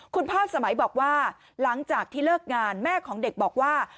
คุณพ่อสมัยบอกว่าหลังจากที่เลิกงานแม่ของเด็กบอกว่า